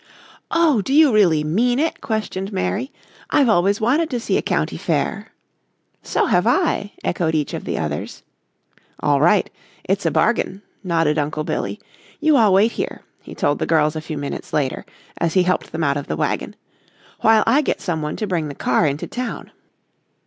"Oh, do you really mean it?" questioned Mary. "I've always wanted to see a county fair." "So have I," echoed each of the others. "All right; it's a bargain," nodded Uncle Billy. "You all wait here," he told the girls a few minutes later, as he helped them out of the wagon, "while I get some one to bring the car into town."